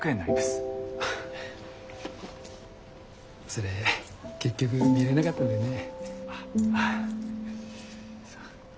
それ結局見れなかったんだよね。